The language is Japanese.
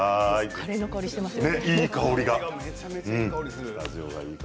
カレーの香りがしてますよ。